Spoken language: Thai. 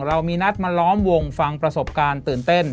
เรามีนัดมาล้อมวงฟังประสบการณ์ตื่นเต้น